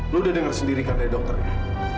lu udah dengar sendiri kan dari dokternya